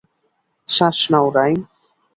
শ্বাস নাও, রাইম।